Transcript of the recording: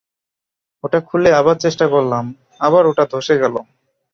ওটা খুলে, আবার চেষ্টা করলাম, আবার ওটা ধসে গেল।